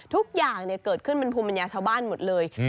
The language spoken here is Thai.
ทุกอย่างเกิดขึ้นเป็นภูมิปัญญาชาวบ้านหมดเลย